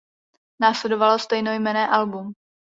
Následovalo stejnojmenné album.